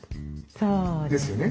そうですね。